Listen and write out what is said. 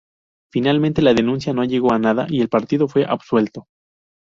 Finalmente la denuncia no llegó a nada y el partido fue absuelto.